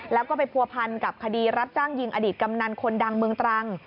แล้วก็ไปผัวพันกับคดีรับจ้างยิงอดีตกำนันคนดังเมืองตรัง